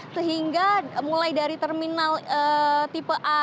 sehingga mulai dari terminal tipe a